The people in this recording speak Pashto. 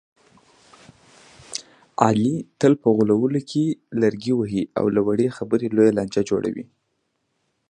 علي تل په غولو کې لرګي وهي، له وړې خبرې لویه لانجه جوړه کړي.